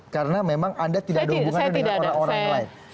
karena memang anda tidak ada hubungannya dengan orang orang yang lain